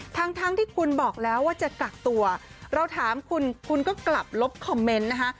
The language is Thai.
ทั้งที่คุณบอกแล้วว่าจะกักตัวเราถามคุณคุณก็กลับลบคอมเมนต์นะคะ